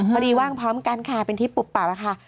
พอดีว่างพร้อมกันค่ะเป็นทริปปุ๊บป่าวค่ะ